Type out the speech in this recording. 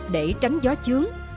để tránh gió chướng